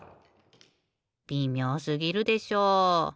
びみょうすぎるでしょう。